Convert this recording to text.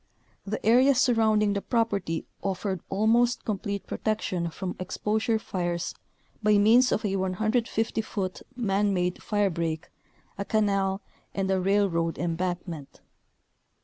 The area surrounding the property offered almost com plete protection from exposure fires by means of a 150 foot, man made firebreak, a canal, and a railroad embankment.